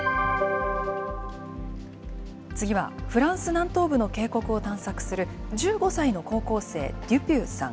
次は、フランス南東部の渓谷を探索する１５歳の高校生、デュピューさん。